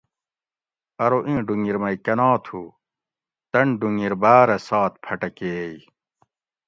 ارو ایں ڈُھونگیر مئی کۤناں تُھو؟ تن ڈُھونگیر باۤرہ سات پھٹکیئے